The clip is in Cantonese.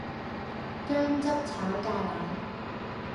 薑汁炒芥蘭